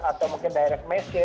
atau mungkin direct message